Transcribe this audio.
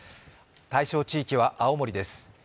対象地域は青森です。